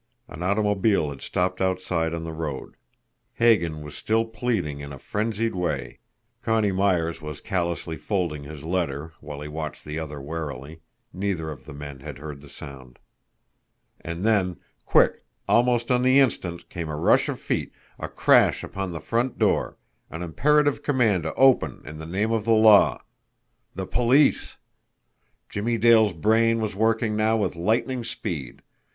An automobile had stopped outside on the road. Hagan was still pleading in a frenzied way; Connie Myers was callously folding his letter, while he watched the other warily neither of the men had heard the sound. And then, quick, almost on the instant, came a rush of feet, a crash upon the front door an imperative command to open in the name of the law. THE POLICE! Jimmie Dale's brain was working now with lightning speed.